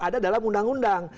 ada dalam undang undang